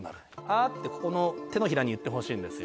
アってここの手のひらに言ってほしいんですよ。